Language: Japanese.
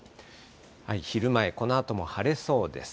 昼前、このあとも晴れそうです。